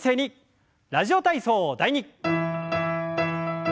「ラジオ体操第２」。